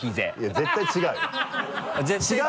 絶対違う？